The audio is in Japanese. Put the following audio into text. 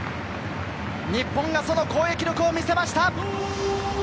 日本がその攻撃力を見せました。